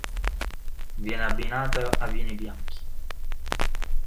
Viene abbinata a vini bianchi.